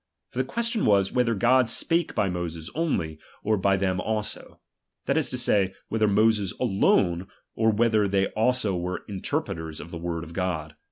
For ^H the question was, whether God spake by Moses ^H only, or by them also ; that is to say, whether ^H Moses alone, or whether they also were iriter ^H preters of the tvord of God.